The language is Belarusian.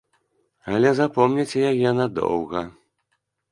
Але запомняць яе надоўга.